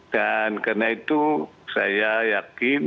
dan karena itu saya yakin